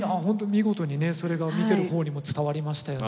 見事にねそれが見てる方にも伝わりましたよね。